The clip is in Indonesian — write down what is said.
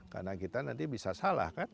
karena kita nanti bisa salah kan